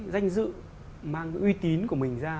danh dự mang cái uy tín của mình ra